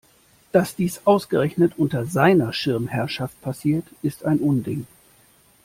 Dass dies ausgerechnet unter seiner Schirmherrschaft passiert, ist ein Unding!